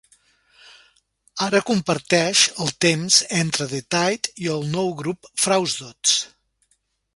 Ara comparteix el temps entre The Tyde i el nou grup Frausdots.